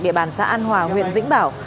địa bàn xã an hòa huyện vĩnh bảo